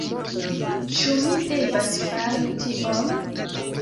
Ĉu mi devas fari tion?